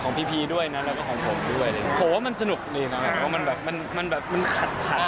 พีพีด้วยนะแล้วก็ของผมด้วยผมว่ามันสนุกดีนะแบบว่ามันแบบมันมันแบบมันขัดขัด